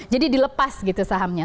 jadi dilepas sahamnya